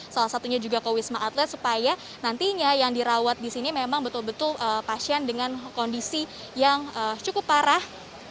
salah satunya juga ke wisma atlet supaya nantinya yang dirawat di sini memang betul betul pasien dengan kondisi yang cukup parah